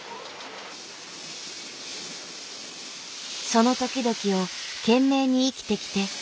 その時々を懸命に生きてきて今がある。